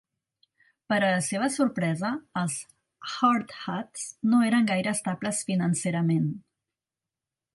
Per a la seva sorpresa, els "Hardhats" no eren gaire estables financerament.